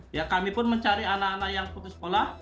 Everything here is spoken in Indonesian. ya kami pun mencari anak anak yang putus sekolah